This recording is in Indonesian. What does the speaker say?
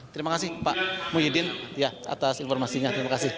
terima kasih pak muhyiddin atas informasinya terima kasih